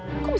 ada apa ini